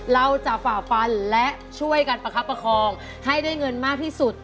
ฝ่าฟันและช่วยกันประคับประคองให้ได้เงินมากที่สุด